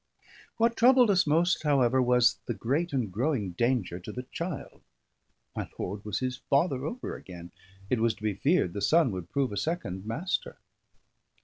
What troubled us most, however, was the great and growing danger to the child. My lord was his father over again; it was to be feared the son would prove a second Master.